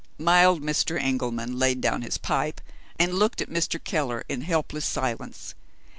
Mild Mr. Engelman laid down his pipe, and looked at Mr. Keller in helpless silence.